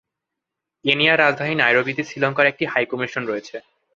কেনিয়ার রাজধানী নাইরোবিতে শ্রীলঙ্কার একটি হাই কমিশন রয়েছে।